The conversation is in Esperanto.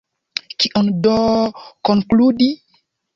Kion do konkludi?